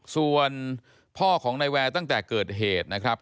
ส่วนพ่อของนายแวร์ตั้งแต่เกิดเหตุนะครับ